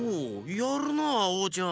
やるなオーちゃん！